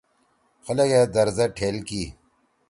خلگے در زید ٹھیل کی۔